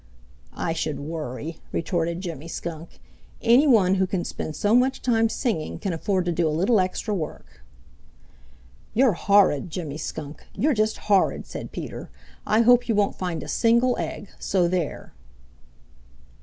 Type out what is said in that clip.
"I should worry," retorted Jimmy Skunk. "Any one who can spend so much time singing can afford to do a little extra work." "You're horrid, Jimmy Skunk. You're just horrid," said Peter. "I hope you won't find a single egg, so there!"